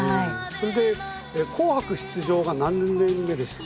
それで「紅白」出場が何年目でした？